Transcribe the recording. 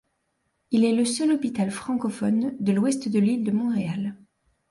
Il est le seul hôpital francophone de l'ouest de l'île de Montréal.